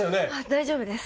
大丈夫です。